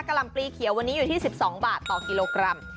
ลำปลีเขียววันนี้อยู่ที่๑๒บาทต่อกิโลกรัม